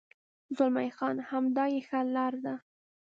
زلمی خان: همدا یې ښه لار ده.